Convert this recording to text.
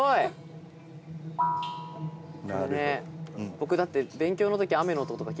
僕だって。